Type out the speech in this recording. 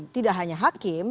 tidak hanya hakim